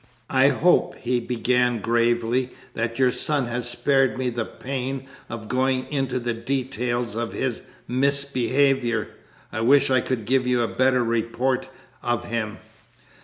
"I hope," he began gravely, "that your son has spared me the pain of going into the details of his misbehaviour; I wish I could give you a better report of him."